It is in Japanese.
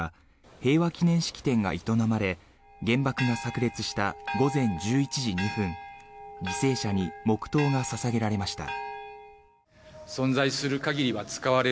平和祈念式典が営まれ原爆がさく裂した午前１１時２分犠牲者に黙祷が捧げられました。